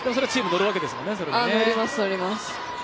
乗ります。